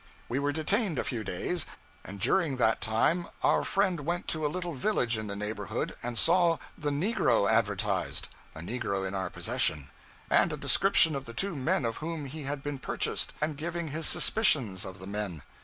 'We were detained a few days, and during that time our friend went to a little village in the neighborhood and saw the negro advertised (a negro in our possession), and a description of the two men of whom he had been purchased, and giving his suspicions of the men.